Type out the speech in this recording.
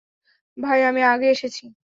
ভাই আমি আগে এসেছি।